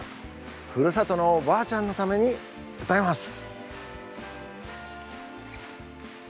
ふるさとのおばあちゃんのために歌います。